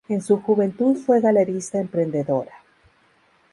En su juventud fue galerista emprendedora.